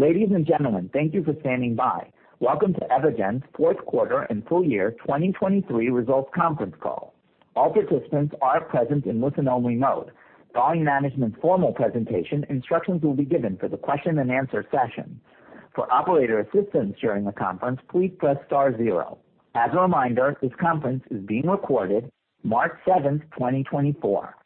Ladies and gentlemen, thank you for standing by. Welcome to Evogene's fourth quarter and full year 2023 results conference call. All participants are present in listen-only mode. Following management's formal presentation, instructions will be given for the question-and-answer session. For operator assistance during the conference, please press star zero. As a reminder, this conference is being recorded, March 7, 2024.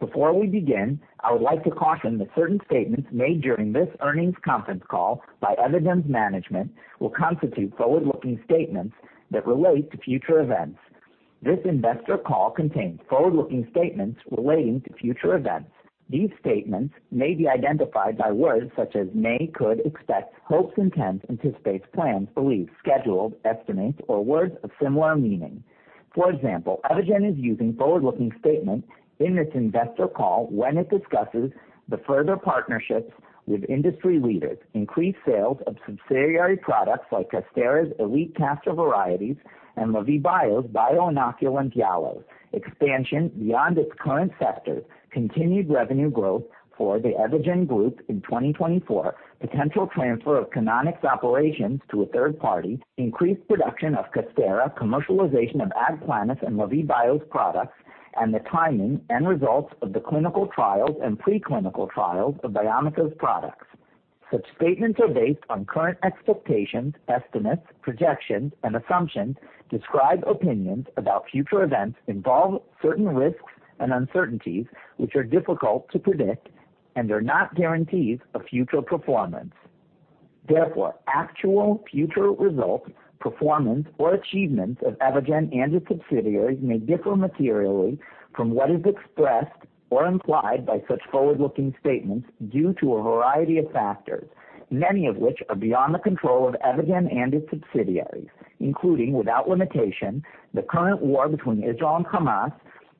Before we begin, I would like to caution that certain statements made during this earnings conference call by Evogene's management will constitute forward-looking statements that relate to future events. This investor call contains forward-looking statements relating to future events. These statements may be identified by words such as may, could, expect, hopes, intents, anticipates, plans, believes, scheduled, estimates, or words of similar meaning. For example, Evogene is using forward-looking statement in this investor call when it discusses the further partnerships with industry leaders, increased sales of subsidiary products like Casterra's elite castor varieties, and Lavie Bio's bio-inoculant Yalos, expansion beyond its current sectors, continued revenue growth for the Evogene Group in 2024, potential transfer of Canonic operations to a third party, increased production of Casterra, commercialization of AgPlenus and Lavie Bio's products, and the timing and results of the clinical trials and preclinical trials of Biomica's products. Such statements are based on current expectations, estimates, projections, and assumptions describe opinions about future events, involve certain risks and uncertainties which are difficult to predict and are not guarantees of future performance. Therefore, actual future results, performance, or achievements of Evogene and its subsidiaries may differ materially from what is expressed or implied by such forward-looking statements due to a variety of factors, many of which are beyond the control of Evogene and its subsidiaries, including without limitation the current war between Israel and Hamas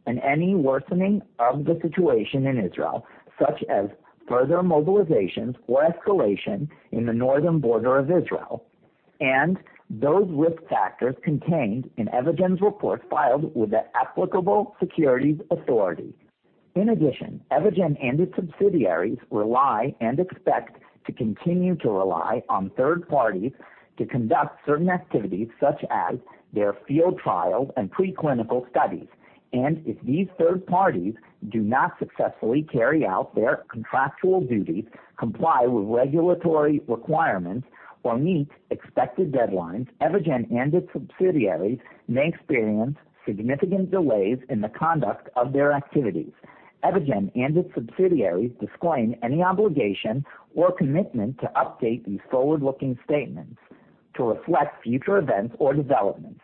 and any worsening of the situation in Israel, such as further mobilizations or escalation in the northern border of Israel, and those risk factors contained in Evogene's reports filed with the applicable securities authority. In addition, Evogene and its subsidiaries rely and expect to continue to rely on third parties to conduct certain activities such as their field trials and preclinical studies, and if these third parties do not successfully carry out their contractual duties, comply with regulatory requirements, or meet expected deadlines, Evogene and its subsidiaries may experience significant delays in the conduct of their activities. Evogene and its subsidiaries disclaim any obligation or commitment to update these forward-looking statements to reflect future events or developments,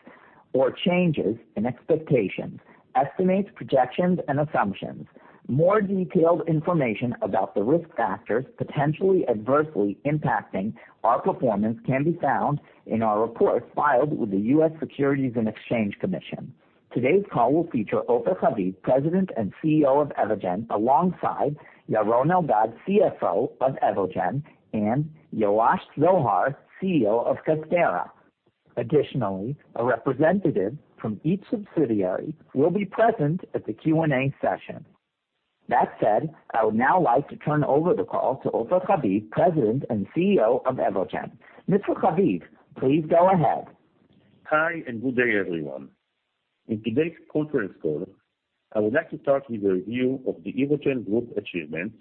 or changes in expectations, estimates, projections, and assumptions. More detailed information about the risk factors potentially adversely impacting our performance can be found in our reports filed with the U.S. Securities and Exchange Commission. Today's call will feature Ofer Haviv, President and CEO of Evogene, alongside Yaron Eldad, CFO of Evogene, and Yoash Zohar, CEO of Casterra. Additionally, a representative from each subsidiary will be present at the Q&A session. That said, I would now like to turn over the call to Ofer Haviv, President and CEO of Evogene. Mr. Haviv, please go ahead. Hi and good day everyone. In today's conference call, I would like to start with a review of the Evogene Group achievements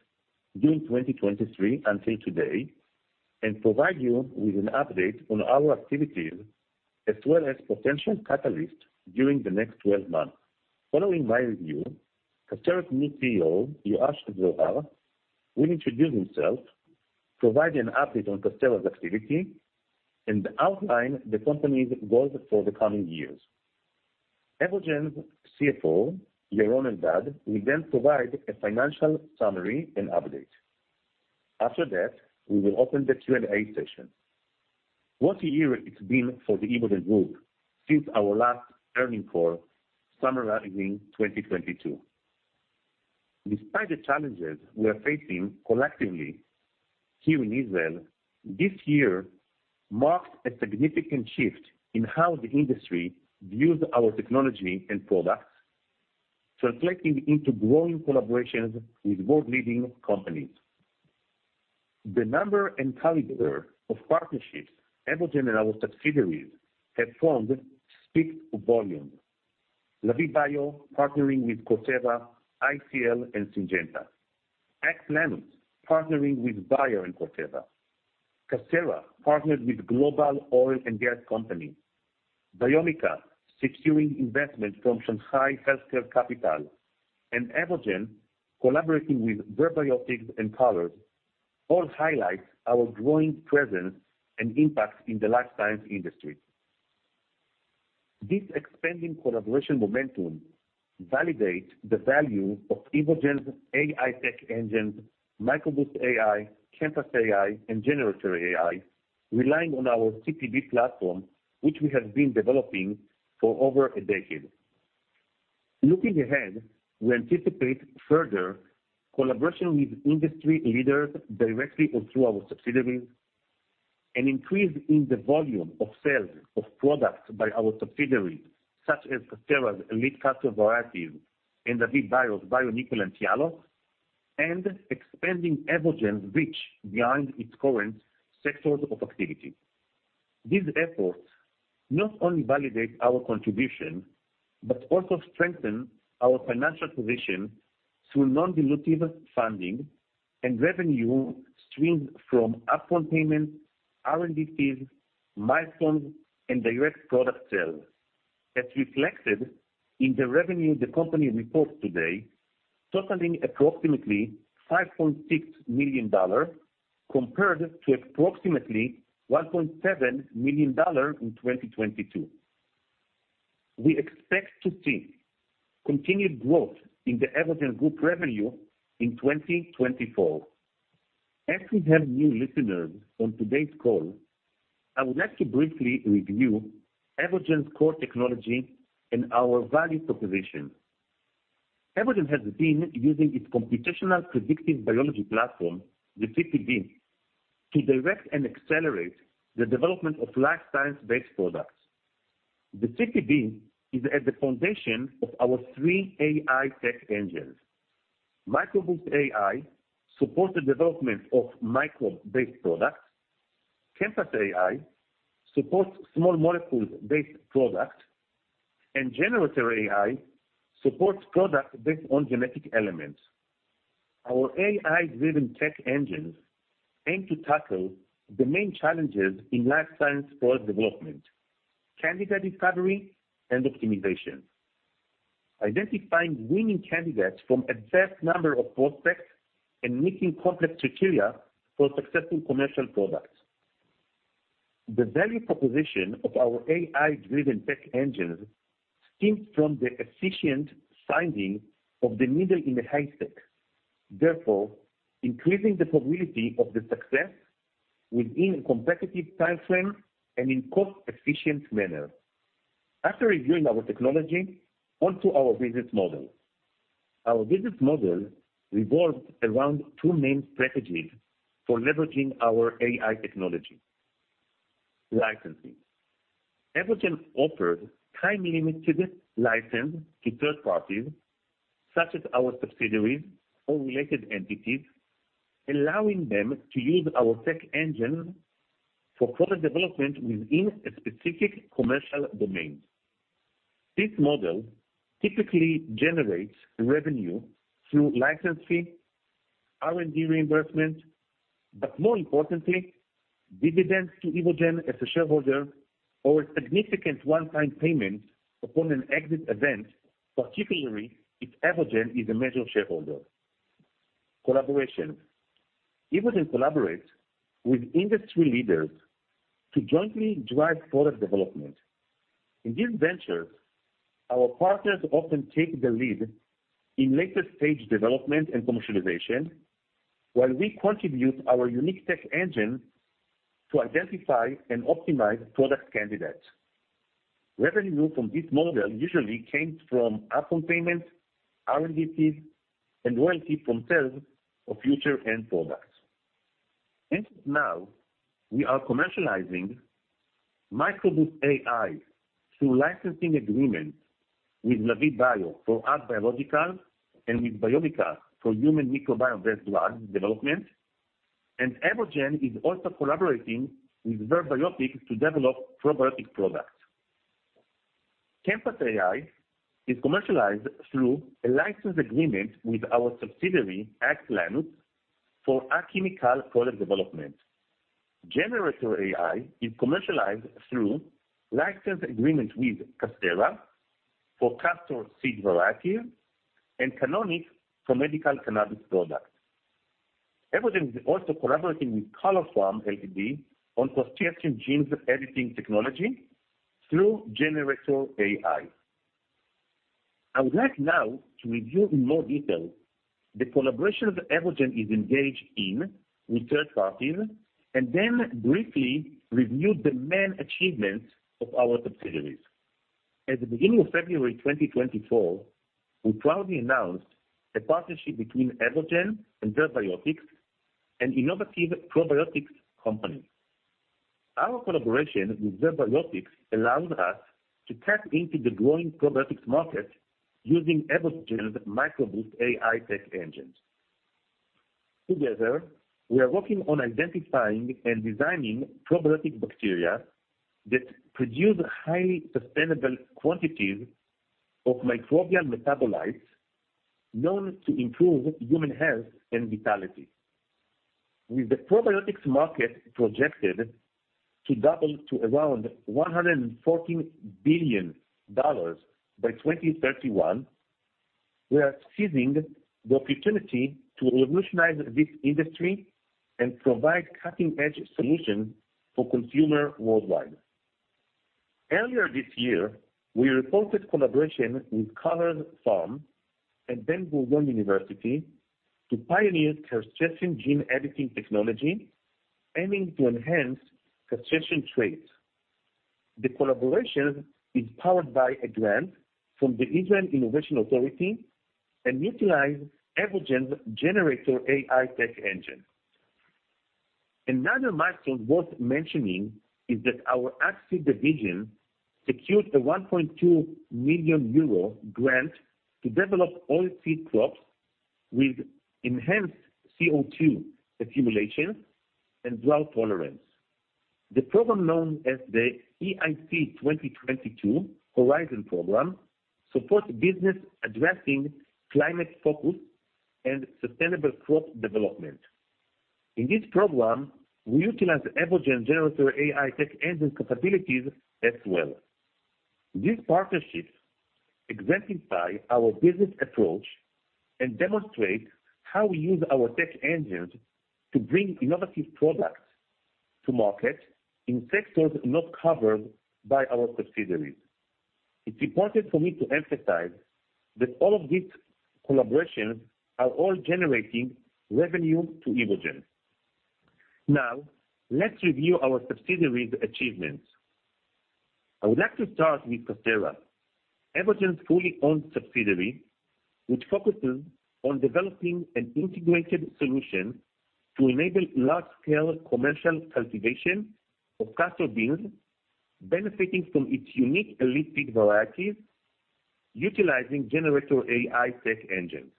during 2023 until today and provide you with an update on our activities as well as potential catalysts during the next 12 months. Following my review, Casterra's new CEO, Yoash Zohar, will introduce himself, provide an update on Casterra's activity, and outline the company's goals for the coming years. Evogene's CFO, Yaron Eldad, will then provide a financial summary and update. After that, we will open the Q&A session. What year it's been for the Evogene Group since our last earnings call summarizing 2022. Despite the challenges we are facing collectively here in Israel, this year marks a significant shift in how the industry views our technology and products, translating into growing collaborations with world-leading companies. The number and caliber of partnerships Evogene and our subsidiaries have formed speaks volumes. Lavie Bio partnering with Corteva, ICL, and Syngenta. AgPlenus partnering with Bayer and Corteva. Casterra partnered with global oil and gas company. Biomica securing investment from Shanghai Healthcare Capital. And Evogene collaborating with Verb Biotics and Colors all highlight our growing presence and impact in the life science industry. This expanding collaboration momentum validates the value of Evogene's AI tech engines, MicroBoost AI, ChemPass AI, and GeneRator AI, relying on our CPB platform, which we have been developing for over a decade. Looking ahead, we anticipate further collaboration with industry leaders directly or through our subsidiaries, an increase in the volume of sales of products by our subsidiaries such as Casterra's elite castor varieties and Lavie Bio's bio-inoculant Yalos, and expanding Evogene's reach beyond its current sectors of activity. These efforts not only validate our contribution but also strengthen our financial position through non-dilutive funding and revenue streams from upfront payments, R&D fees, milestones, and direct product sales. It's reflected in the revenue the company reports today, totaling approximately $5.6 million compared to approximately $1.7 million in 2022. We expect to see continued growth in the Evogene Group revenue in 2024. As we have new listeners on today's call, I would like to briefly review Evogene's core technology and our value proposition. Evogene has been using its computational predictive biology platform, the CPB, to direct and accelerate the development of life science-based products. The CPB is at the foundation of our three AI tech engines. MicroBoost AI supports the development of microbe-based products. ChemPass AI supports small molecules-based products. GeneRator AI supports products based on genetic elements. Our AI-driven tech engines aim to tackle the main challenges in life science product development: candidate discovery and optimization, identifying winning candidates from a vast number of prospects, and meeting complex criteria for successful commercial products. The value proposition of our AI-driven tech engines stems from the efficient finding of the middle in the haystack, therefore increasing the probability of the success within a competitive time frame and in a cost-efficient manner. After reviewing our technology, onto our business model. Our business model revolves around two main strategies for leveraging our AI technology: licensing. Evogene offers time-limited license to third parties such as our subsidiaries or related entities, allowing them to use our tech engines for product development within a specific commercial domain. This model typically generates revenue through license fee, R&D reimbursement, but more importantly, dividends to Evogene as a shareholder or a significant one-time payment upon an exit event, particularly if Evogene is a major shareholder. Collaboration. Evogene collaborates with industry leaders to jointly drive product development. In these ventures, our partners often take the lead in later-stage development and commercialization, while we contribute our unique tech engine to identify and optimize product candidates. Revenue from this model usually came from upfront payments, R&D fees, and royalties from sales of future end products. Now, we are commercializing MicroBoost AI through licensing agreements with Lavie Bio for agbiological and with Biomica for human microbiome-based drugs development. Evogene is also collaborating with Verb Biotics to develop probiotic products. ChemPass AI is commercialized through a license agreement with our subsidiary AgPlenus for agchemical product development. GeneRator AI is commercialized through license agreements with Casterra for castor seed variety and Canonic for medical cannabis products. Evogene is also collaborating with Colors Farm Ltd. on progressing gene editing technology through GeneRator AI. I would like now to review in more detail the collaboration that Evogene is engaged in with third parties and then briefly review the main achievements of our subsidiaries. At the beginning of February 2024, we proudly announced a partnership between Evogene and Verb Biotics, an innovative probiotics company. Our collaboration with Verb Biotics allows us to tap into the growing probiotics market using Evogene's MicroBoost AI tech engine. Together, we are working on identifying and designing probiotic bacteria that produce highly sustainable quantities of microbial metabolites known to improve human health and vitality. With the probiotics market projected to double to around $114 billion by 2031, we are seizing the opportunity to revolutionize this industry and provide cutting-edge solutions for consumers worldwide. Earlier this year, we reported collaboration with Colors Farm and Ben-Gurion University to pioneer crustacean gene editing technology, aiming to enhance crustacean traits. The collaboration is powered by a grant from the Israel Innovation Authority and utilizes Evogene's GeneRator AI tech engine. Another milestone worth mentioning is that our Ag-Seed division secured a 1.2 million euro grant to develop oilseed crops with enhanced CO2 accumulation and drought tolerance. The program known as the EIC 2022 Horizon Program supports businesses addressing climate focus and sustainable crop development. In this program, we utilize Evogene's GeneRator AI tech engine capabilities as well. These partnerships exemplify our business approach and demonstrate how we use our tech engines to bring innovative products to market in sectors not covered by our subsidiaries. It's important for me to emphasize that all of these collaborations are all generating revenue to Evogene. Now, let's review our subsidiaries' achievements. I would like to start with Casterra, Evogene's fully owned subsidiary, which focuses on developing an integrated solution to enable large-scale commercial cultivation of castor beans, benefiting from its unique elite seed varieties utilizing GeneRator AI tech engines.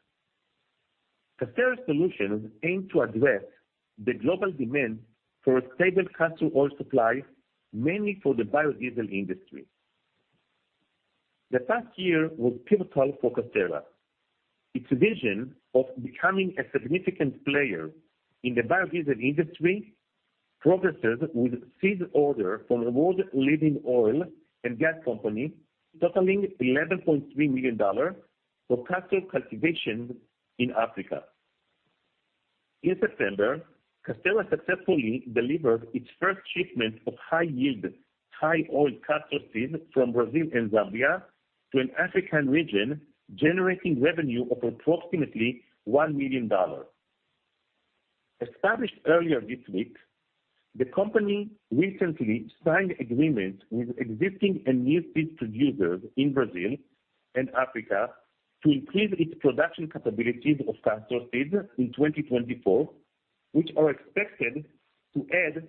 Casterra's solutions aim to address the global demand for a stable castor oil supply, mainly for the biodiesel industry. The past year was pivotal for Casterra. Its vision of becoming a significant player in the biodiesel industry progresses with secured orders from a world-leading oil and gas company, totaling $11.3 million for castor cultivation in Africa. In September, Casterra successfully delivered its first shipment of high-yield, high-oil castor seeds from Brazil and Zambia to an African region, generating revenue of approximately $1 million. Established earlier this week, the company recently signed agreements with existing and new seed producers in Brazil and Africa to increase its production capabilities of castor seeds in 2024, which are expected to add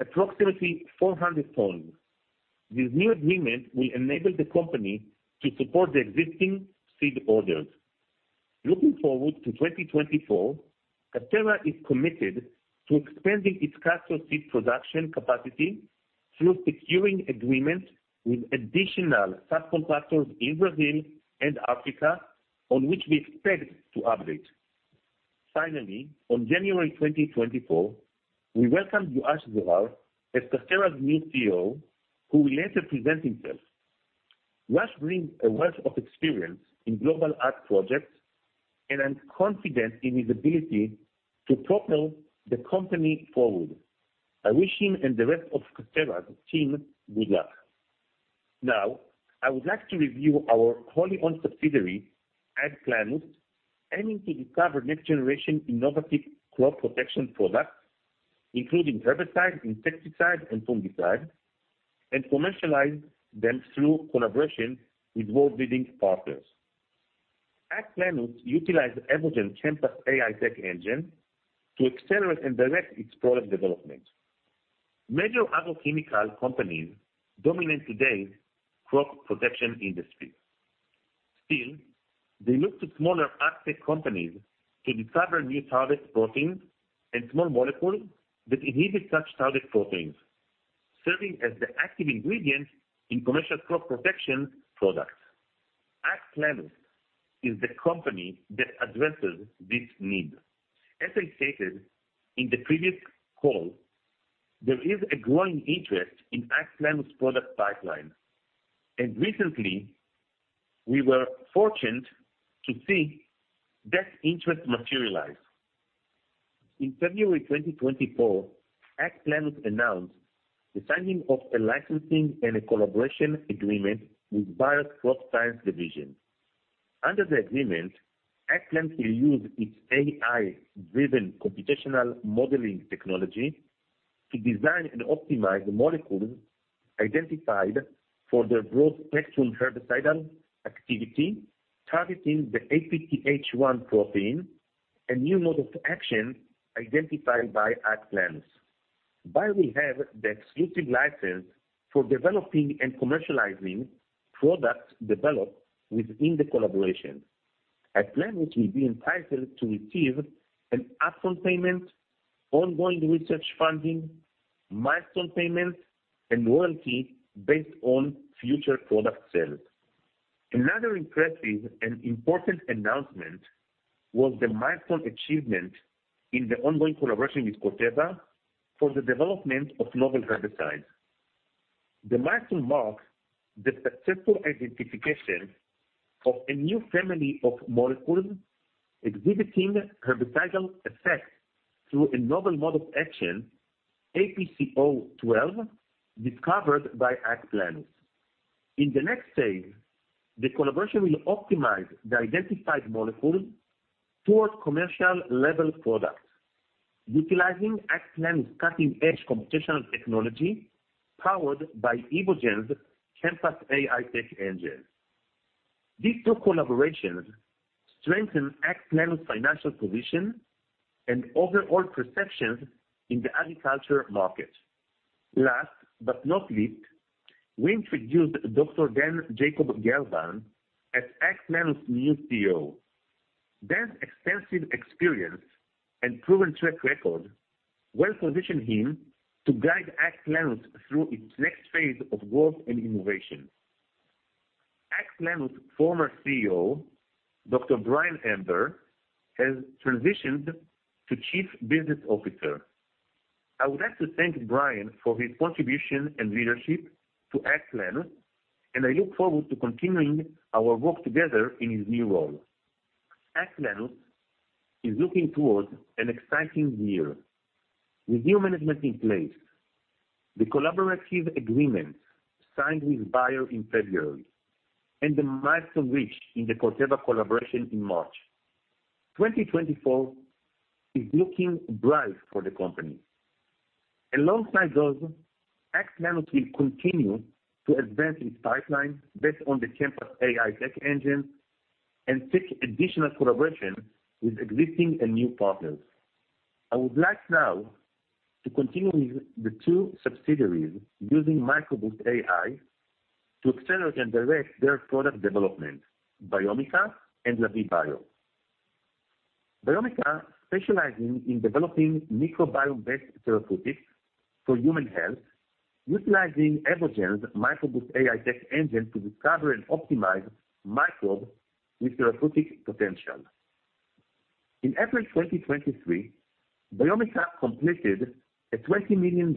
approximately 400 tons. This new agreement will enable the company to support the existing seed orders. Looking forward to 2024, Casterra is committed to expanding its castor seed production capacity through securing agreements with additional subcontractors in Brazil and Africa, on which we expect to update. Finally, in January 2024, we welcomed Yoash Zohar as Casterra's new CEO, who will later present himself. Yoash brings a wealth of experience in global ag projects and I'm confident in his ability to propel the company forward. I wish him and the rest of Casterra's team good luck. Now, I would like to review our wholly owned subsidiary, AgPlenus, aiming to discover next-generation innovative crop protection products, including herbicides, insecticides, and fungicides, and commercialize them through collaboration with world-leading partners. AgPlenus utilizes Evogene's ChemPass AI tech engine to accelerate and direct its product development. Major agrochemical companies dominate today's crop protection industry. Still, they look to smaller ag tech companies to discover new target proteins and small molecules that inhibit such target proteins, serving as the active ingredient in commercial crop protection products. AgPlenus is the company that addresses this need. As I stated in the previous call, there is a growing interest in AgPlenus' product pipeline. Recently, we were fortunate to see that interest materialize. In February 2024, AgPlenus announced the signing of a licensing and a collaboration agreement with Bayer's crop science division. Under the agreement, AgPlenus will use its AI-driven computational modeling technology to design and optimize the molecules identified for their broad-spectrum herbicidal activity, targeting the APTH1 protein, a new mode of action identified by AgPlenus. Bayer will have the exclusive license for developing and commercializing products developed within the collaboration. AgPlenus will be entitled to receive an upfront payment, ongoing research funding, milestone payments, and royalties based on future product sales. Another impressive and important announcement was the milestone achievement in the ongoing collaboration with Corteva for the development of novel herbicides. The milestone marks the successful identification of a new family of molecules exhibiting herbicidal effects through a novel mode of action, APCO-12, discovered by AgPlenus. In the next phase, the collaboration will optimize the identified molecules toward commercial-level products, utilizing AgPlenus' cutting-edge computational technology powered by Evogene's ChemPass AI tech engine. These two collaborations strengthen AgPlenus' financial position and overall perceptions in the agriculture market. Last but not least, we introduced Dr. Dan Gelvan as AgPlenus' new CEO. Dan's extensive experience and proven track record well position him to guide AgPlenus through its next phase of growth and innovation. AgPlenus' former CEO, Dr. Brian Ember, has transitioned to Chief Business Officer. I would like to thank Brian for his contribution and leadership to AgPlenus, and I look forward to continuing our work together in his new role. AgPlenus is looking towards an exciting year with new management in place, the collaborative agreement signed with Bayer in February, and the milestone reached in the Corteva collaboration in March. 2024 is looking bright for the company. Alongside those, AgPlenus will continue to advance its pipeline based on the ChemPass AI tech engine and seek additional collaboration with existing and new partners. I would like now to continue with the two subsidiaries using MicroBoost AI to accelerate and direct their product development, Biomica and Lavie Bio. Biomica, specializing in developing microbiome-based therapeutics for human health, utilizing Evogene's MicroBoost AI tech engine to discover and optimize microbes with therapeutic potential. In April 2023, Biomica completed a $20 million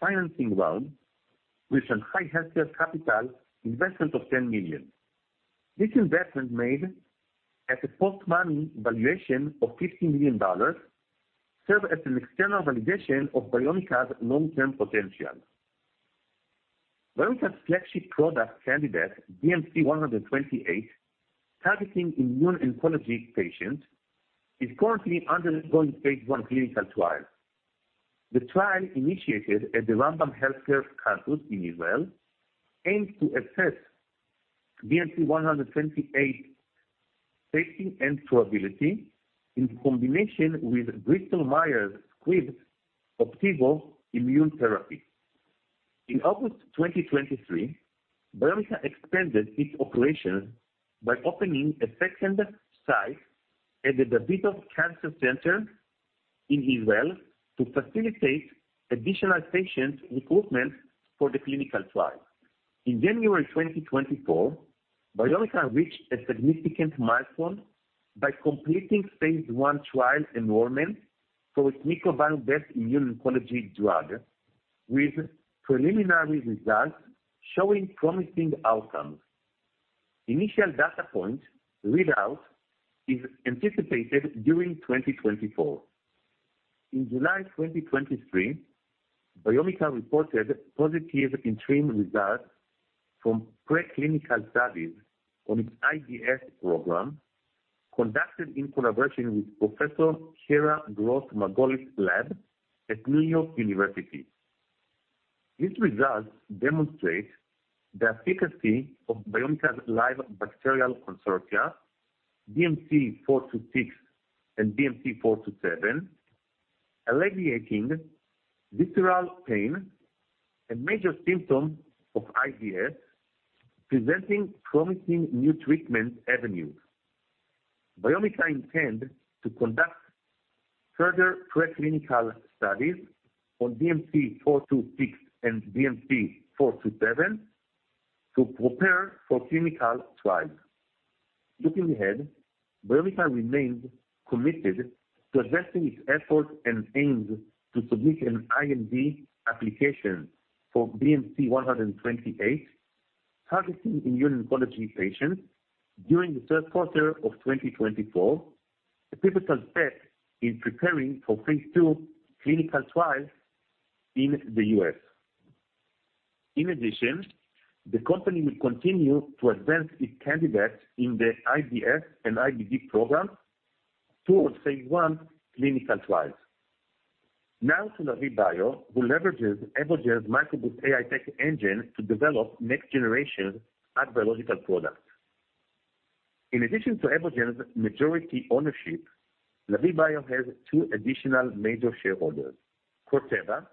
financing round with a Shanghai Healthcare Capital investment of $10 million. This investment, made at a post-money valuation of $50 million, serves as an external validation of Biomica's long-term potential. Biomica's flagship product candidate, BMC-128, targeting immune oncology patients, is currently undergoing phase I clinical trial. The trial, initiated at the Rambam Healthcare Campus in Israel, aims to assess BMC-128's safety and durability in combination with Bristol Myers Squibb's Opdivo immune therapy. In August 2023, Biomica expanded its operations by opening a second site at the Davidoff Cancer Center in Israel to facilitate additional patient recruitment for the clinical trial. In January 2024, Biomica reached a significant milestone by completing phase I trial enrollment for its microbiome-based immuno-oncology drug, with preliminary results showing promising outcomes. Initial data point, readout, is anticipated during 2024. In July 2023, Biomica reported positive interim results from pre-clinical studies on its IBS program conducted in collaboration with Professor Kara Gross Margolis's lab at New York University. These results demonstrate the efficacy of Biomica's live bacterial consortia, BMC-426 and BMC-427, alleviating visceral pain, a major symptom of IBS, presenting promising new treatment avenues. Biomica intends to conduct further pre-clinical studies on BMC-426 and BMC-427 to prepare for clinical trials. Looking ahead, Biomica remains committed to advancing its efforts and aims to submit an IND application for BMC-128, targeting immuno-oncology patients, during the third quarter of 2024, a pivotal step in preparing for phase II clinical trials in the U.S. In addition, the company will continue to advance its candidates in the IBS and IBD programs towards phase I clinical trials. Now, to Lavie Bio, who leverages Evogene's MicroBoost AI tech engine to develop next-generation ag-biological products. In addition to Evogene's majority ownership, Lavie Bio has two additional major shareholders: Corteva,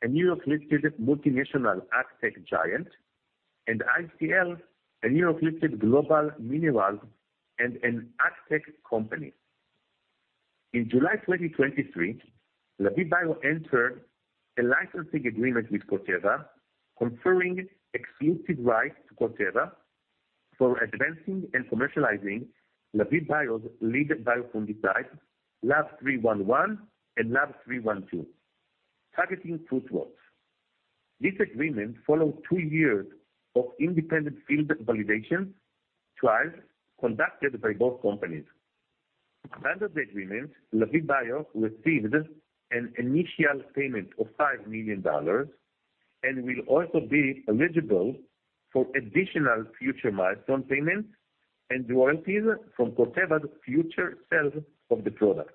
a New York-listed multinational ag-tech giant, and ICL, a New York-listed global minerals and an ag-tech company. In July 2023, Lavie Bio entered a licensing agreement with Corteva, conferring exclusive rights to Corteva for advancing and commercializing Lavie Bio's lead bio-fungicides, LAV311 and LAV312, targeting fruit rots. This agreement followed two years of independent field validation trials conducted by both companies. Under the agreement, Lavie Bio received an initial payment of $5 million and will also be eligible for additional future milestone payments and royalties from Corteva's future sales of the products.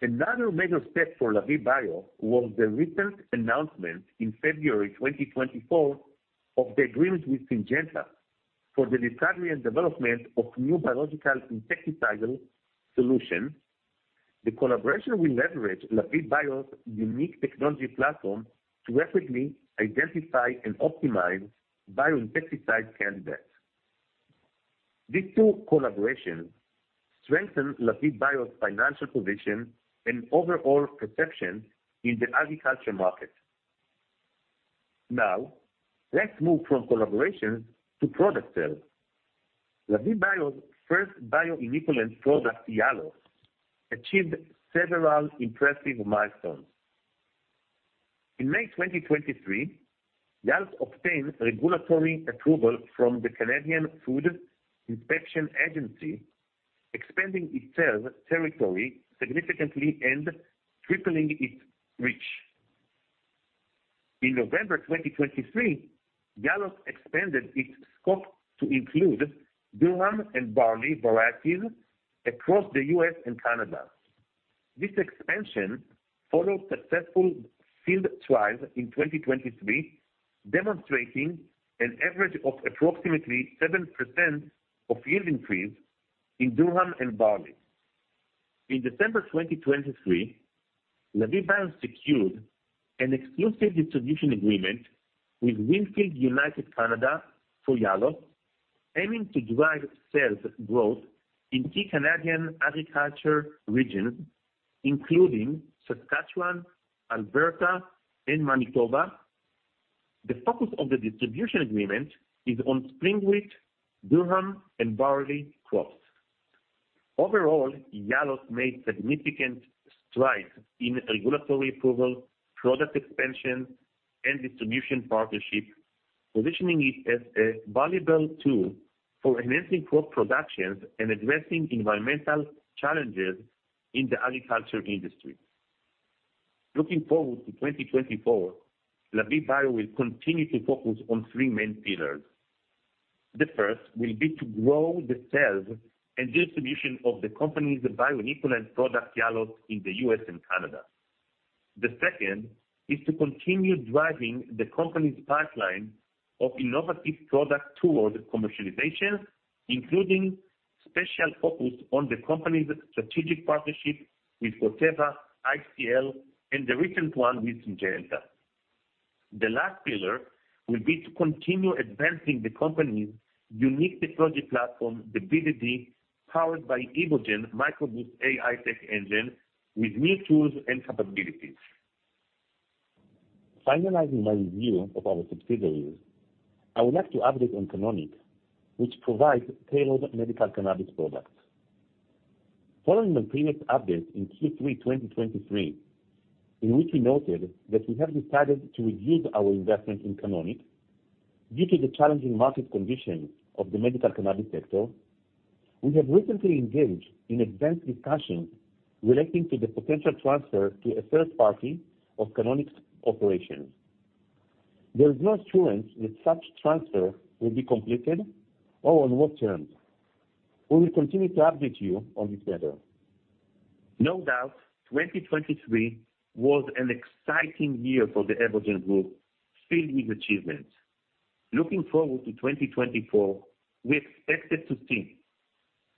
Another major step for Lavie Bio was the recent announcement in February 2024 of the agreement with Syngenta for the discovery and development of new biological insecticidal solutions. The collaboration will leverage Lavie Bio's unique technology platform to rapidly identify and optimize bioinsecticide candidates. These two collaborations strengthen Lavie Bio's financial position and overall perception in the agriculture market. Now, let's move from collaborations to product sales. Lavie Bio's first bio-inoculant product, Yalos, achieved several impressive milestones. In May 2023, Yalos obtained regulatory approval from the Canadian Food Inspection Agency, expanding its sales territory significantly and tripling its reach. In November 2023, Yalos expanded its scope to include durum and barley varieties across the U.S. and Canada. This expansion followed successful field trials in 2023, demonstrating an average of approximately 7% of yield increase in durum and barley. In December 2023, Lavie Bio secured an exclusive distribution agreement with WinField United Canada for Yalos, aiming to drive sales growth in key Canadian agriculture regions, including Saskatchewan, Alberta, and Manitoba. The focus of the distribution agreement is on spring wheat, durum, and barley crops. Overall, Yalos made significant strides in regulatory approval, product expansion, and distribution partnerships, positioning it as a valuable tool for enhancing crop productions and addressing environmental challenges in the agriculture industry. Looking forward to 2024, Lavie Bio will continue to focus on three main pillars. The first will be to grow the sales and distribution of the company's bio-inoculant product, Yalos, in the U.S. and Canada. The second is to continue driving the company's pipeline of innovative products towards commercialization, including special focus on the company's strategic partnership with Corteva, ICL, and the recent one with Syngenta. The last pillar will be to continue advancing the company's unique technology platform, the CPB, powered by Evogene MicroBoost AI tech engine with new tools and capabilities. Finalizing my review of our subsidiaries, I would like to update on Canonic, which provides tailored medical cannabis products. Following my previous update in Q3 2023, in which we noted that we have decided to reduce our investment in Canonic due to the challenging market conditions of the medical cannabis sector, we have recently engaged in advanced discussions relating to the potential transfer to a third party of Canonic's operations. There is no assurance that such transfer will be completed or on what terms. We will continue to update you on this matter. No doubt, 2023 was an exciting year for the Evogene Group, filled with achievements. Looking forward to 2024, we expect it to see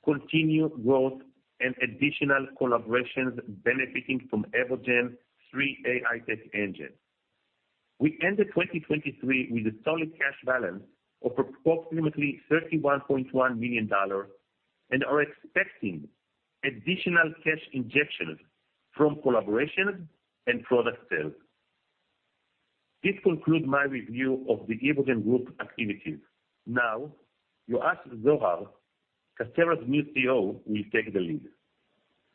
continued growth and additional collaborations benefiting from Evogene's three AI tech engines. We ended 2023 with a solid cash balance of approximately $31.1 million and are expecting additional cash injections from collaborations and product sales. This concludes my review of the Evogene Group activities. Now, your host, Zohar, Casterra's new CEO, will take the lead.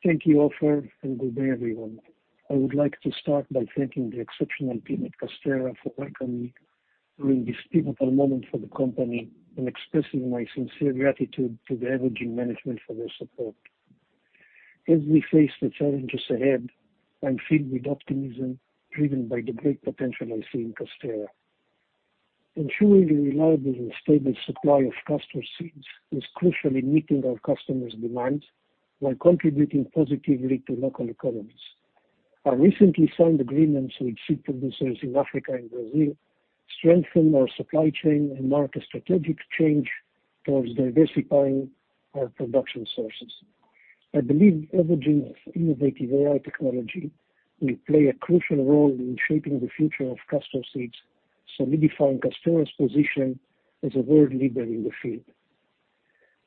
Thank you, Ofer, and good day, everyone. I would like to start by thanking the exceptional team at Casterra for welcoming me during this pivotal moment for the company and expressing my sincere gratitude to the Evogene management for their support. As we face the challenges ahead, I'm filled with optimism driven by the great potential I see in Casterra. Ensuring a reliable and stable supply of castor seeds is crucial in meeting our customers' demands while contributing positively to local economies. Our recently signed agreements with seed producers in Africa and Brazil strengthen our supply chain and mark a strategic change towards diversifying our production sources. I believe Evogene's innovative AI technology will play a crucial role in shaping the future of castor seeds, solidifying Casterra's position as a world leader in the field.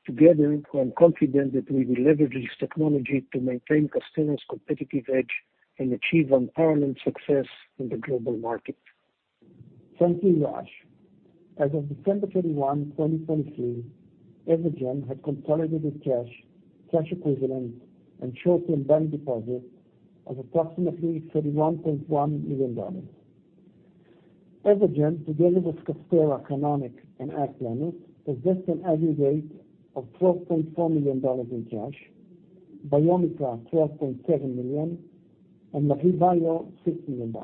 Together, I'm confident that we will leverage this technology to maintain Casterra's competitive edge and achieve unparalleled success in the global market. Thank you, Yoash. As of December 21, 2023, Evogene had consolidated cash, cash equivalent, and short-term bank deposits of approximately $31.1 million. Evogene, together with Casterra, Canonic, and AgPlenus, possessed an aggregate of $12.4 million in cash, Biomica $12.7 million, and Lavie Bio $6 million.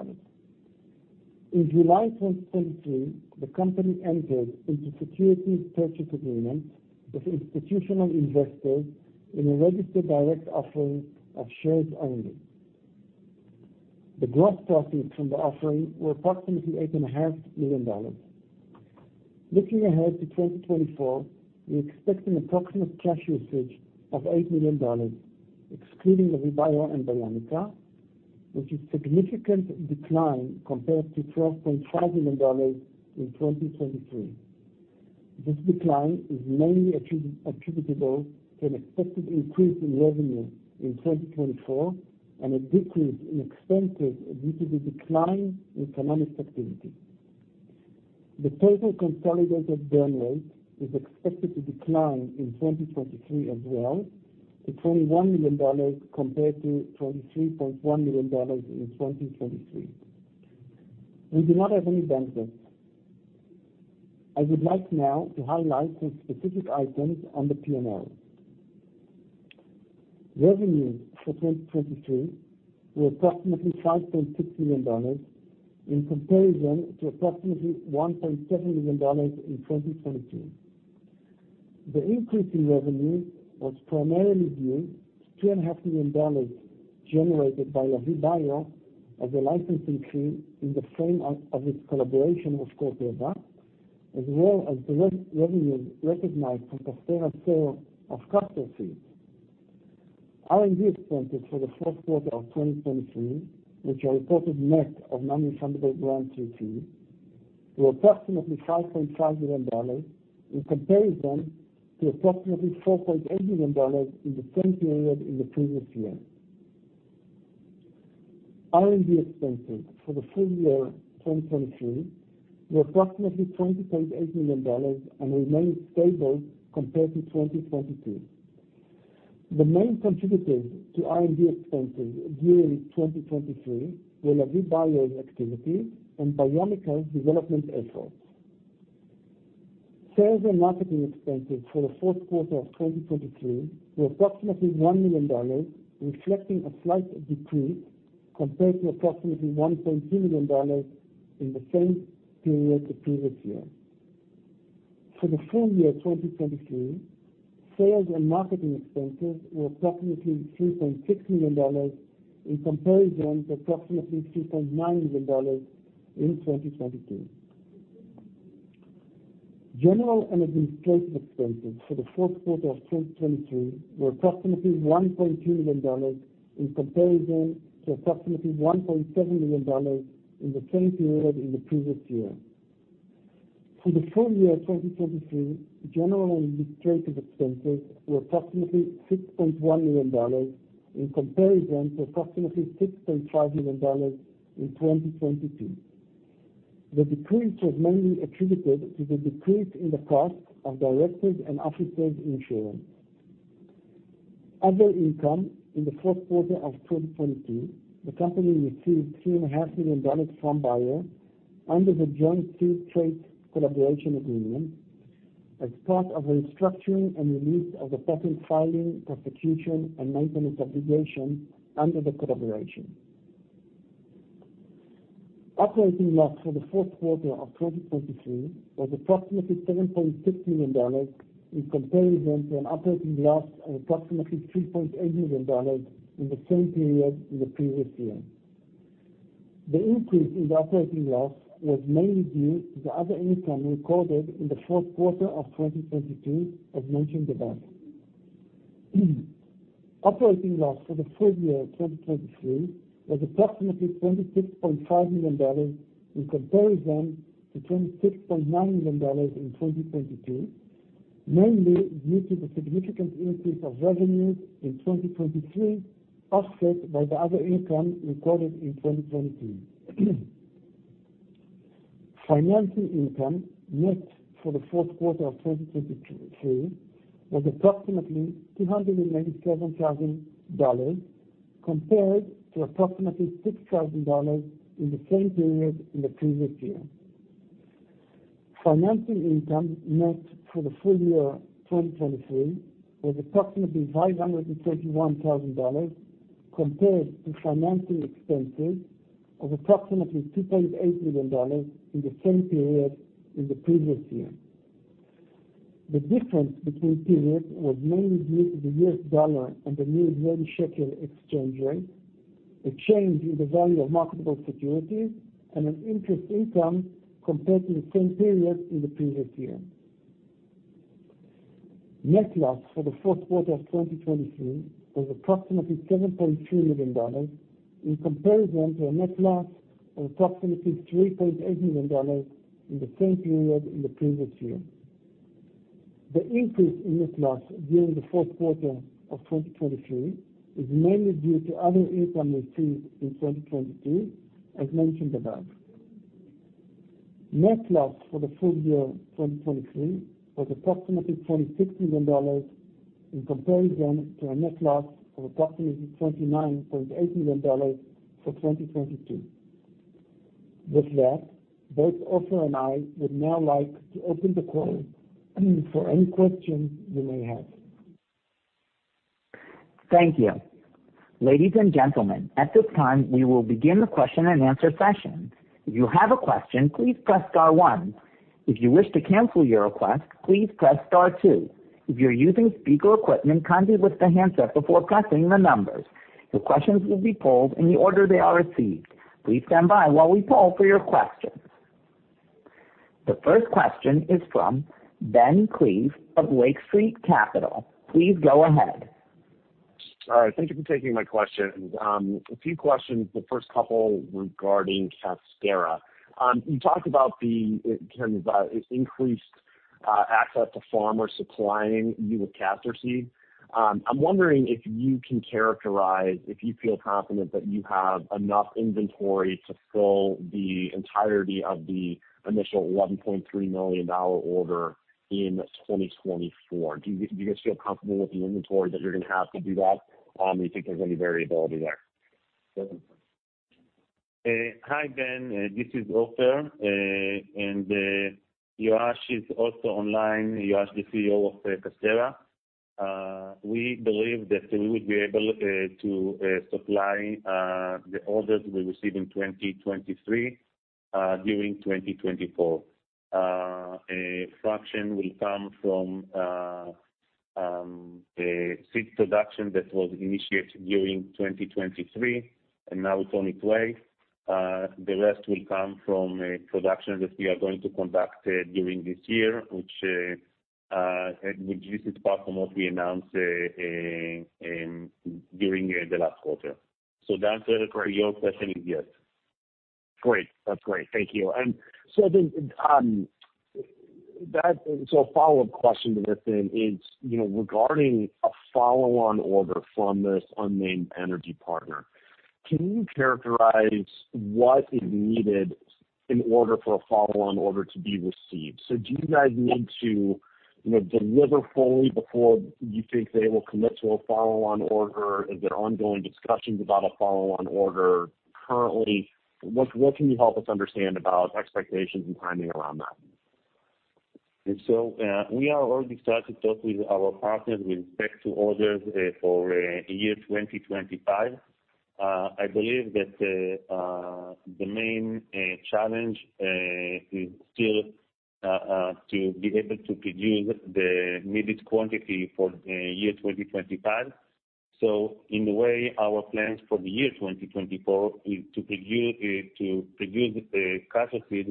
In July 2023, the company entered into securities purchase agreements with institutional investors in a registered direct offering of shares only. The gross profits from the offering were approximately $8.5 million. Looking ahead to 2024, we expect an approximate cash usage of $8 million, excluding Lavie Bio and Biomica, which is a significant decline compared to $12.5 million in 2023. This decline is mainly attributable to an expected increase in revenue in 2024 and a decrease in expenses due to the decline in economic activity. The total consolidated burn rate is expected to decline in 2023 as well to $21 million compared to $23.1 million in 2023. We do not have any bank notes. I would like now to highlight some specific items on the P&L. Revenues for 2023 were approximately $5.6 million in comparison to approximately $1.7 million in 2022. The increase in revenues was primarily due to $2.5 million generated by Lavie Bio as a license increase in the frame of its collaboration with Corteva, as well as the revenues recognized from Casterra's sale of castor seeds. R&D expenses for the fourth quarter of 2023, which are reported net of non-refundable grants, were approximately $5.5 million in comparison to approximately $4.8 million in the same period in the previous year. R&D expenses for the full year 2023 were approximately $20.8 million and remained stable compared to 2022. The main contributors to R&D expenses during 2023 were Lavie Bio's activities and Biomica's development efforts. Sales and marketing expenses for the fourth quarter of 2023 were approximately $1 million, reflecting a slight decrease compared to approximately $1.2 million in the same period the previous year. For the full year 2023, sales and marketing expenses were approximately $3.6 million in comparison to approximately $3.9 million in 2022. General and administrative expenses for the fourth quarter of 2023 were approximately $1.2 million in comparison to approximately $1.7 million in the same period in the previous year. For the full year 2023, general and administrative expenses were approximately $6.1 million in comparison to approximately $6.5 million in 2022. The decrease was mainly attributed to the decrease in the cost of directors and officers' insurance. Other income in the fourth quarter of 2022: the company received $3.5 million from buyers under the Joint Seed Traits collaboration agreement as part of restructuring and release of the patent filing, prosecution, and maintenance obligations under the collaboration. Operating loss for the fourth quarter of 2023 was approximately $7.6 million in comparison to an operating loss of approximately $3.8 million in the same period in the previous year. The increase in the operating loss was mainly due to the other income recorded in the fourth quarter of 2022, as mentioned above. Operating loss for the full year 2023 was approximately $26.5 million in comparison to $26.9 million in 2022, mainly due to the significant increase of revenues in 2023 offset by the other income recorded in 2022. Financial income net for the fourth quarter of 2023 was approximately $297,000 compared to approximately $6,000 in the same period in the previous year. Financial income net for the full year 2023 was approximately $521,000 compared to financing expenses of approximately $2.8 million in the same period in the previous year. The difference between periods was mainly due to the U.S. dollar and the New Israeli Shekel exchange rate, a change in the value of marketable securities, and an interest income compared to the same period in the previous year. Net loss for the fourth quarter of 2023 was approximately $7.3 million in comparison to a net loss of approximately $3.8 million in the same period in the previous year. The increase in net loss during the fourth quarter of 2023 is mainly due to other income received in 2022, as mentioned above. Net loss for the full year 2023 was approximately $26 million in comparison to a net loss of approximately $29.8 million for 2022. With that, both Ofer and I would now like to open the call for any questions you may have. Thank you. Ladies and gentlemen, at this time, we will begin the question-and-answer session. If you have a question, please press star one. If you wish to cancel your request, please press star two. If you're using speaker equipment, kindly lift the handset before pressing the numbers. Your questions will be pulled in the order they are received. Please stand by while we pull for your questions. The first question is from Ben Klieve of Lake Street Capital. Please go ahead. All right. Thank you for taking my questions. A few questions, the first couple regarding Casterra. You talked about the increased access to farmers supplying you with castor seed. I'm wondering if you can characterize, if you feel confident that you have enough inventory to fill the entirety of the initial $11.3 million order in 2024. Do you guys feel comfortable with the inventory that you're going to have to do that, and do you think there's any variability there? Hi, Ben. This is Ofer. Yoash is also online. Yoash is the CEO of Casterra. We believe that we would be able to supply the orders we receive in 2023 during 2024. A fraction will come from seed production that was initiated during 2023, and now it's on its way. The rest will come from production that we are going to conduct during this year, which this is part from what we announced during the last quarter. The answer to your question is yes. Great. That's great. Thank you. A follow-up question to this, then, is regarding a follow-on order from this unnamed energy partner. Can you characterize what is needed in order for a follow-on order to be received? Do you guys need to deliver fully before you think they will commit to a follow-on order? Is there ongoing discussions about a follow-on order currently? What can you help us understand about expectations and timing around that? We are already starting to talk with our partners with respect to orders for year 2025. I believe that the main challenge is still to be able to produce the needed quantity for year 2025. In a way, our plans for the year 2024 is to produce castor seeds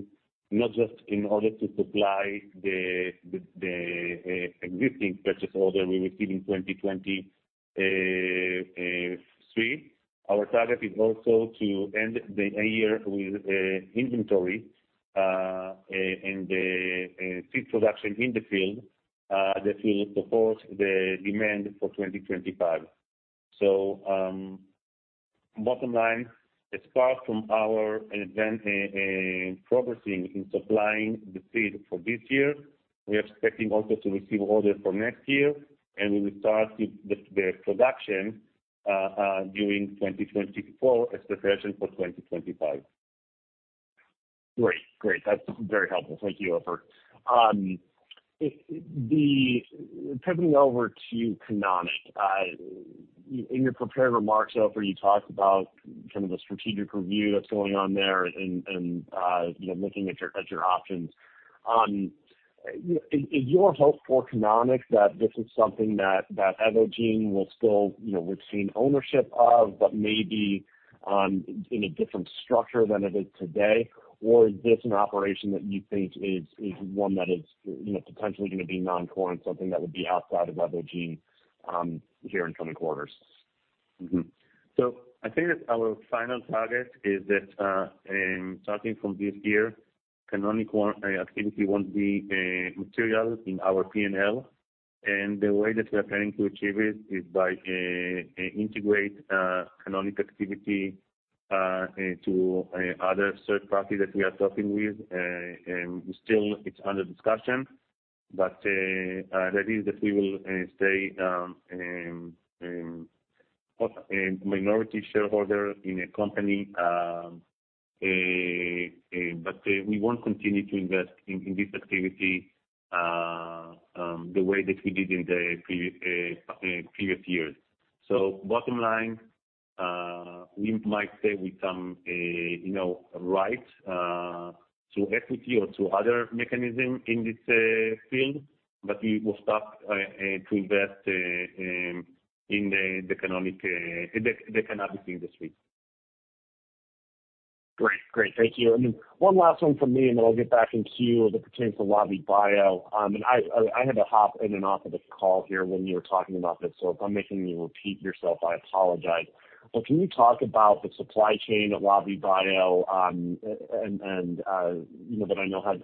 not just in order to supply the existing purchase order we received in 2023. Our target is also to end the year with inventory and seed production in the field that will support the demand for 2025. Bottom line, apart from our progressing in supplying the seeds for this year, we are expecting also to receive orders for next year, and we will start the production during 2024 as preparation for 2025. Great. Great. That's very helpful. Thank you, Ofer. Pivoting over to Canonic. In your prepared remarks, Ofer, you talked about kind of the strategic review that's going on there and looking at your options. Is your hope for Canonic that this is something that Evogene will still retain ownership of but maybe in a different structure than it is today? Or is this an operation that you think is one that is potentially going to be non-core and something that would be outside of Evogene here in coming quarters? So I think that our final target is that, starting from this year, Canonic activity won't be material in our P&L. And the way that we are planning to achieve it is by integrating Canonic activity to other third parties that we are talking with. Still, it's under discussion, but that is that we will stay a minority shareholder in a company, but we won't continue to invest in this activity the way that we did in the previous years. So bottom line, we might stay with some rights to equity or to other mechanisms in this field, but we will stop to invest in the cannabis industry. Great. Great. Thank you. And then one last one from me, and then I'll get back in queue as it pertains to Lavie Bio. And I had to hop in and off of the call here when you were talking about this, so if I'm making you repeat yourself, I apologize. But can you talk about the supply chain at Lavie Bio that I know had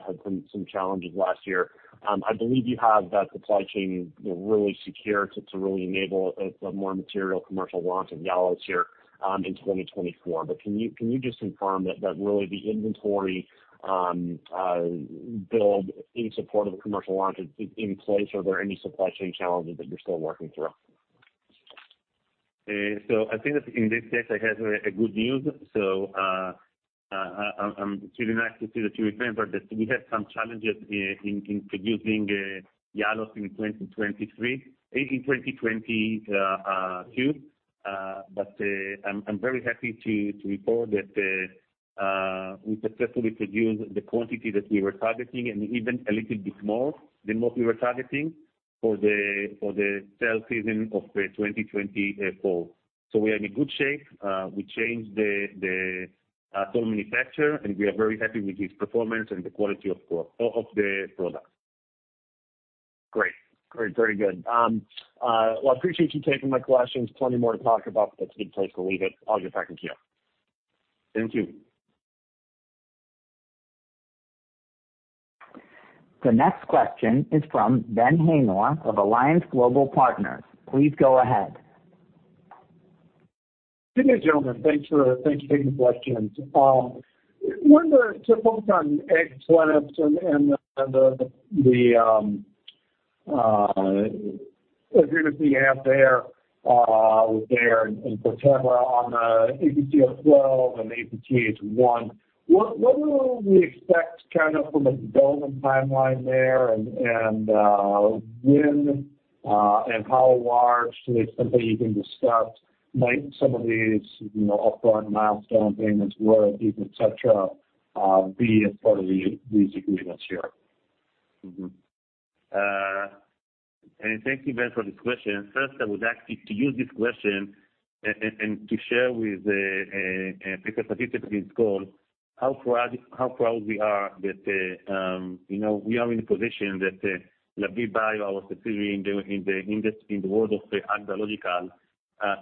some challenges last year? I believe you have that supply chain really secure to really enable a more material commercial launch of Yalos here in 2024. But can you just confirm that really the inventory build in support of the commercial launch is in place? Are there any supply chain challenges that you're still working through? So I think that in this case, I have good news. So it's really nice to see that you remember that we had some challenges in producing Yalos in 2023, in 2022. But I'm very happy to report that we successfully produced the quantity that we were targeting and even a little bit more than what we were targeting for the sale season of 2024. So we are in good shape. We changed the sole manufacturer, and we are very happy with his performance and the quality of the product. Great. Great. Very good. Well, I appreciate you taking my questions. Plenty more to talk about, but that's a good place to leave it. I'll get back in queue. Thank you. The next question is from Ben Haynor of Alliance Global Partners. Please go ahead. Good day, gentlemen. Thanks for taking the questions. I wonder, to focus on AgPlenus and the agreements that you have there with Bayer and Corteva on the APCO-12 and the APTH1, what do we expect kind of from a development timeline there? And when and how large? Is it something you can discuss? Might some of these upfront milestone payments, royalties, etc., be as part of these agreements here? Thank you, Ben, for this question. First, I would like to use this question to share with the participants in this call how proud we are that we are in a position that Lavie Bio, our subsidiary in the world of ag biological,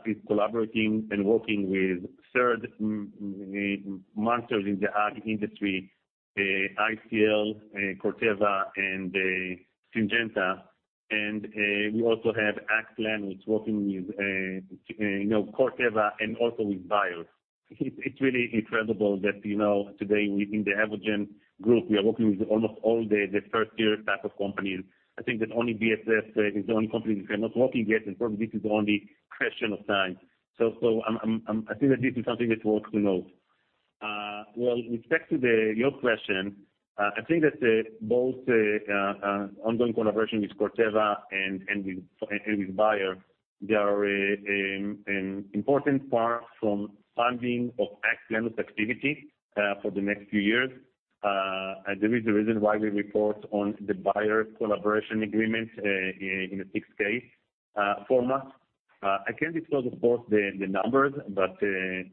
is collaborating and working with three monsters in the ag industry: ICL, Corteva, and Syngenta. And we also have AgPlenus, which is working with Corteva and also with Bayer. It's really incredible that today, in the Evogene group, we are working with almost all the first-tier type of companies. I think that only BASF is the only company that we are not working with yet, and probably this is only a question of time. So I think that this is something that's worth noting. Well, with respect to your question, I think that both ongoing collaboration with Corteva and with Bio, they are an important part from funding of AgPlenus's activity for the next few years. There is a reason why we report on the Bio collaboration agreement in a 8-K format. I can't disclose, of course, the numbers, but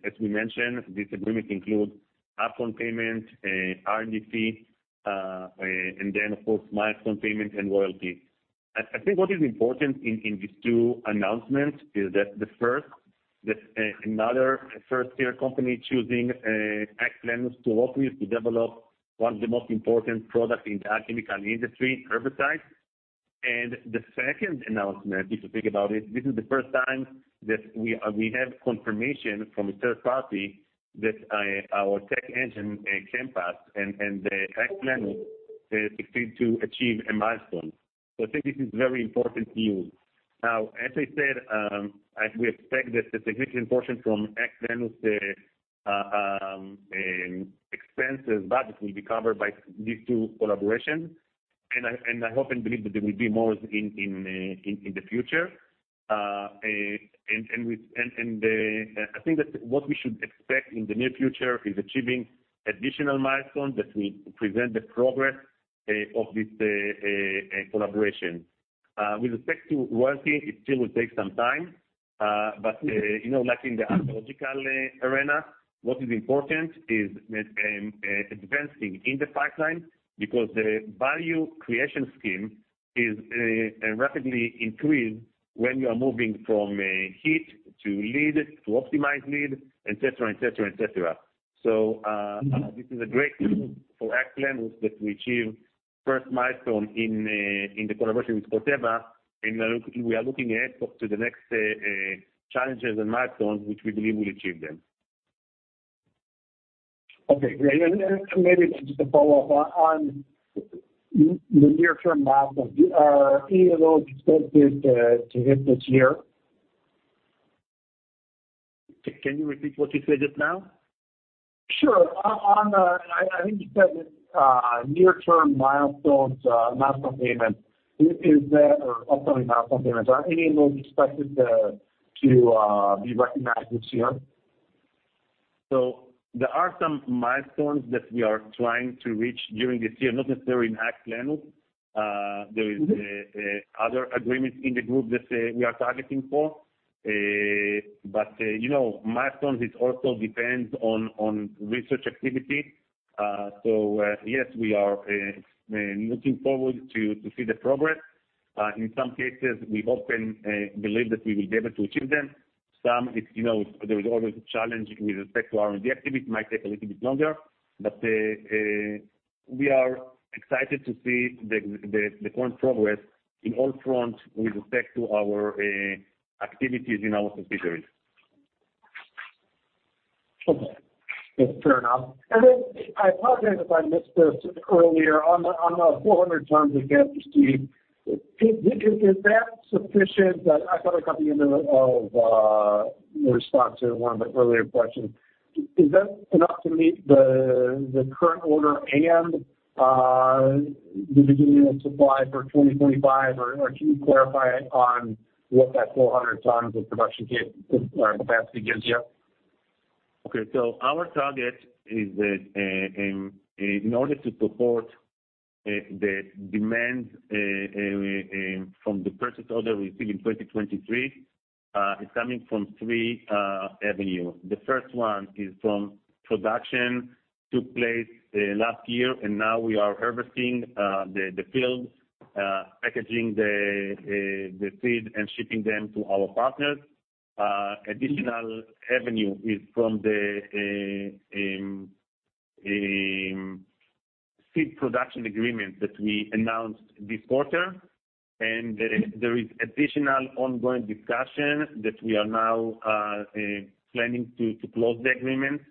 as we mentioned, this agreement includes upfront payment, R&D fee, and then, of course, milestone payment and royalty. I think what is important in these two announcements is that, first, that another first-tier company choosing AgPlenus to work with to develop one of the most important products in the ag chemical industry, herbicides. And the second announcement, if you think about it, this is the first time that we have confirmation from a third party that our tech engine, ChemPass AI, and AgPlenus have succeeded to achieve a milestone. So I think this is very important to you. Now, as I said, we expect that a significant portion from AgPlenus's expenses, budget, will be covered by these two collaborations. And I hope and believe that there will be more in the future. And I think that what we should expect in the near future is achieving additional milestones that will present the progress of this collaboration. With respect to royalty, it still will take some time. But like in the ag-biological arena, what is important is advancing in the pipeline because the value creation scheme rapidly increases when you are moving from hit to lead to optimized lead, etc., etc., etc. So this is great news for AgPlenus that we achieve first milestone in the collaboration with Corteva, and we are looking ahead to the next challenges and milestones, which we believe we'll achieve them. Okay. Great. And maybe just a follow-up. On the near-term milestones, are any of those expected to hit this year? Can you repeat what you said just now? Sure. I think you said that near-term milestones, milestone payments, is that or upcoming milestone payments, are any of those expected to be recognized this year? So there are some milestones that we are trying to reach during this year, not necessarily in AgPlenus. There is other agreements in the group that we are targeting for. But milestones, it also depends on research activity. So yes, we are looking forward to see the progress. In some cases, we hope and believe that we will be able to achieve them. Some, there is always a challenge with respect to R&D activity. It might take a little bit longer. But we are excited to see the current progress in all fronts with respect to our activities in our subsidiaries. Okay. Fair enough. And then I apologize if I missed this earlier. On the 400 tons we can receive, is that sufficient? I thought I got the end of the response to one of the earlier questions. Is that enough to meet the current order and the beginning of supply for 2025? Or can you clarify on what that 400 tons of production capacity gives you? Okay. So our target is that in order to support the demand from the purchase order we received in 2023, it's coming from three avenues. The first one is from production that took place last year, and now we are harvesting the field, packaging the seeds, and shipping them to our partners. An additional avenue is from the seed production agreement that we announced this quarter. There is additional ongoing discussion that we are now planning to close the agreement,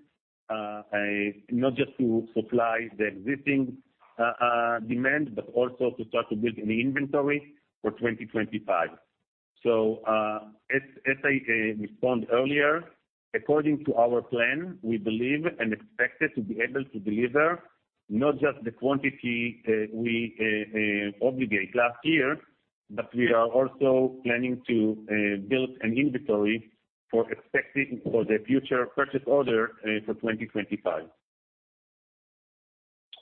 not just to supply the existing demand but also to start to build an inventory for 2025. So as I responded earlier, according to our plan, we believe and expect to be able to deliver not just the quantity we obligated last year, but we are also planning to build an inventory for the future purchase order for 2025.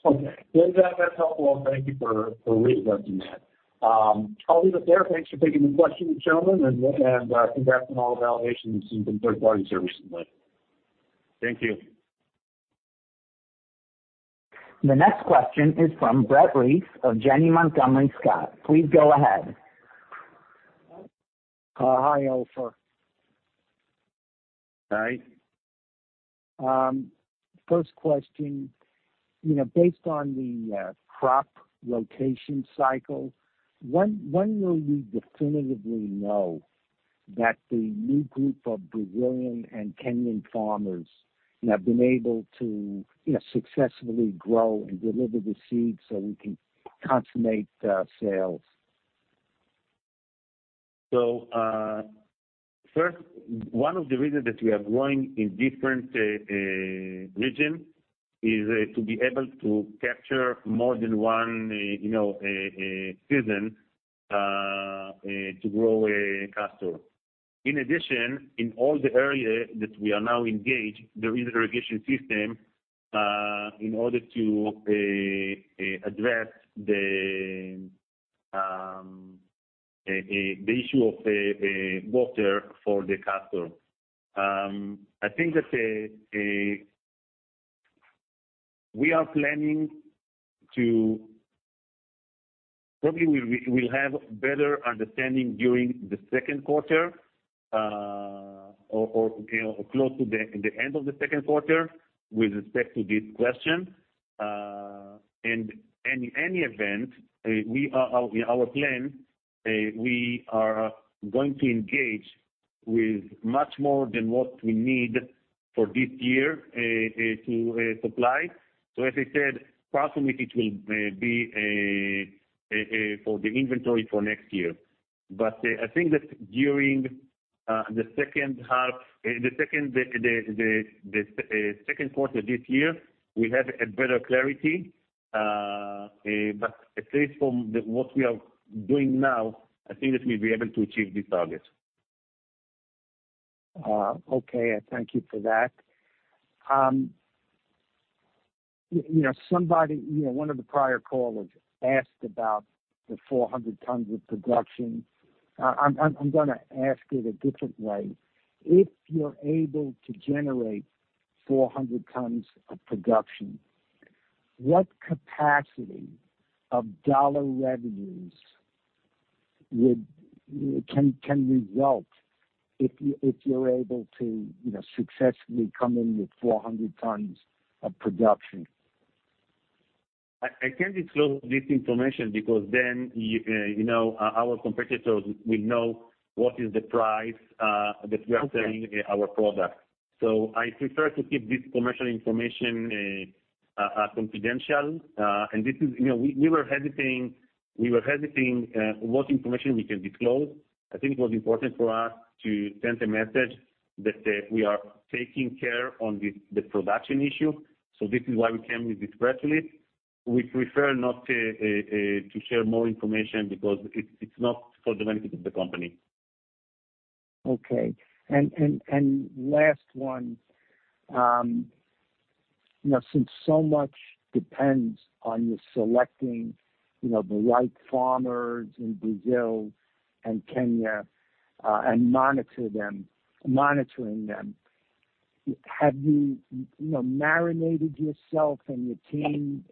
Okay. Well, that's helpful. Thank you for really touching that. I'll leave it there. Thanks for taking the question, gentlemen, and I think that's been all the validation we've seen from third parties here recently. Thank you. The next question is from Brett Reiss of Janney Montgomery Scott. Please go ahead. Hi, Ofer. Hi. First question, based on the crop rotation cycle, when will we definitively know that the new group of Brazilian and Kenyan farmers have been able to successfully grow and deliver the seeds so we can consummate sales? So first, one of the reasons that we are growing in different regions is to be able to capture more than one season to grow castor. In addition, in all the areas that we are now engaged, there is an irrigation system in order to address the issue of water for the castor. I think that we are planning to probably we'll have better understanding during the second quarter or close to the end of the second quarter with respect to this question. And in any event, in our plan, we are going to engage with much more than what we need for this year to supply. So, as I said, apart from it, it will be for the inventory for next year. But I think that during the second half the second quarter this year, we have better clarity. But at least from what we are doing now, I think that we'll be able to achieve this target. Okay. Thank you for that. Somebody, one of the prior callers, asked about the 400 tons of production. I'm going to ask it a different way. If you're able to generate 400 tons of production, what capacity of dollar revenues can result if you're able to successfully come in with 400 tons of production? I can't disclose this information because then our competitors will know what is the price that we are selling our product. So I prefer to keep this commercial information confidential. And this is we were hesitating what information we can disclose. I think it was important for us to send a message that we are taking care of the production issue. So this is why we came with this press release. We prefer not to share more information because it's not for the benefit of the company. Okay. And last one, since so much depends on you selecting the right farmers in Brazil and Kenya and monitoring them, have you marinated yourself and your team?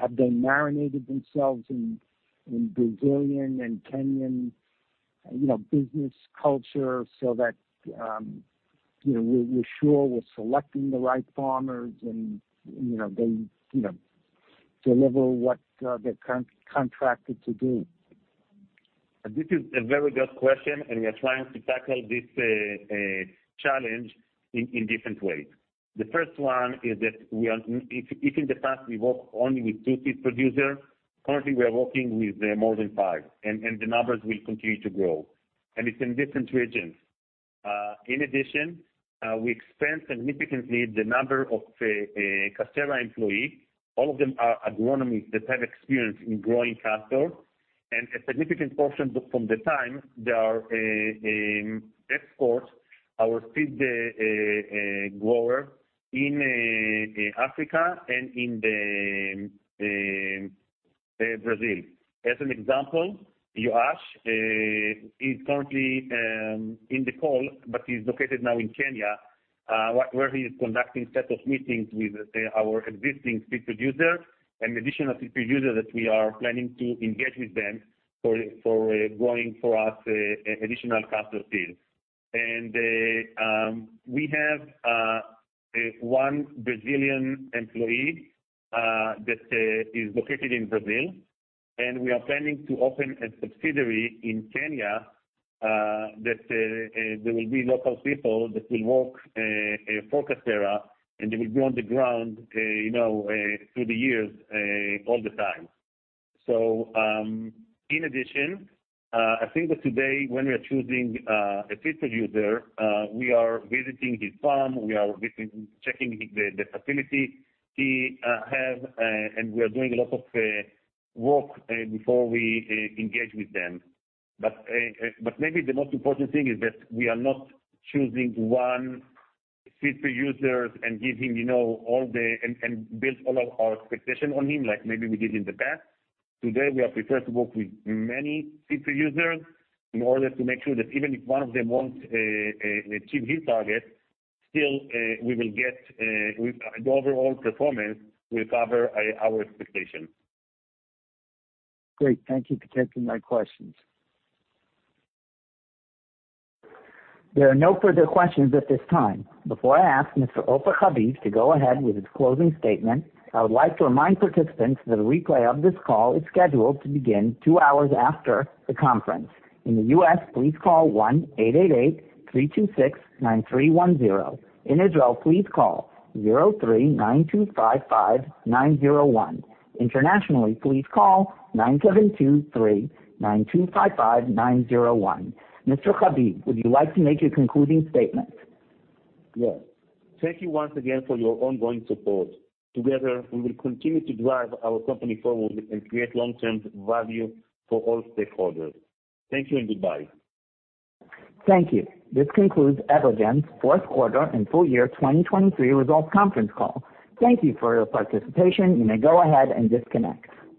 Have they marinated themselves in Brazilian and Kenyan business culture so that we're sure we're selecting the right farmers and they deliver what they're contracted to do? This is a very good question, and we are trying to tackle this challenge in different ways. The first one is that if in the past we worked only with two seed producers, currently, we are working with more than five, and the numbers will continue to grow. It's in different regions. In addition, we expand significantly the number of Casterra employees. All of them are agronomists that have experience in growing castor. And a significant portion of the time, they are at our seed growers in Africa and in Brazil. As an example, Yoash is currently in the call but is located now in Kenya, where he is conducting a set of meetings with our existing seed producers and additional seed producers that we are planning to engage with them for growing for us additional castor seeds. And we have one Brazilian employee that is located in Brazil, and we are planning to open a subsidiary in Kenya that there will be local people that will work for Casterra, and they will be on the ground through the years all the time. So in addition, I think that today, when we are choosing a seed producer, we are visiting his farm. We are checking the facility. We are doing a lot of work before we engage with them. But maybe the most important thing is that we are not choosing one seed producer and giving him all the and build all of our expectation on him like maybe we did in the past. Today, we are prepared to work with many seed producers in order to make sure that even if one of them won't achieve his target, still, we will get the overall performance will cover our expectations. Great. Thank you for taking my questions. There are no further questions at this time. Before I ask Mr. Ofer Haviv to go ahead with his closing statement. I would like to remind participants that a replay of this call is scheduled to begin two hours after the conference. In the US, please call 1-888-326-9310. In Israel, please call 03-9255-901. Internationally, please call 972-392-55901. Mr. Haviv, would you like to make your concluding statement? Yes. Thank you once again for your ongoing support. Together, we will continue to drive our company forward and create long-term value for all stakeholders. Thank you and goodbye. Thank you. This concludes Evogene's fourth quarter and full-year 2023 results conference call. Thank you for your participation. You may go ahead and disconnect.